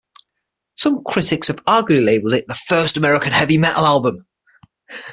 Some critics have arguably labeled it the "first American heavy metal album".